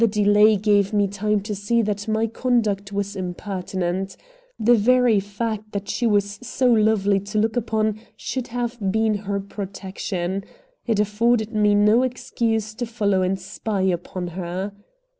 The delay gave me time to see that my conduct was impertinent. The very fact that she was so lovely to look upon should have been her protection. It afforded me no excuse to follow and spy upon her.